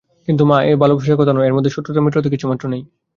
কিন্তু মা, এ ভালোবাসার কথা নয়, এর মধ্যে শত্রুতা মিত্রতা কিছুমাত্র নেই।